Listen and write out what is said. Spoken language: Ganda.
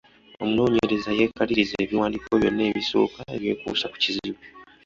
Omunoonyereza yeekaliriza ebiwandiiko byonna ebisoka ebyekuusa ku kizibu.